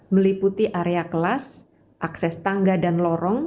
meliputi area kelas akses tangga dan lorong